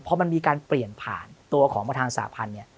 เพราะมันมีการเปลี่ยนผ่านตัวของประธานสาธารณ์